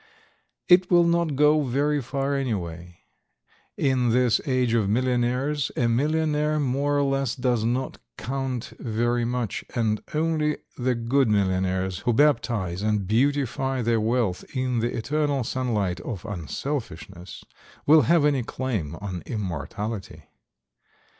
It will not go very far anyway. In this age of millionaires, a millionaire more or less does not count very much, and only the good millionaires who baptize and beautify their wealth in the eternal sunlight of unselfishness will have any claim on immortality.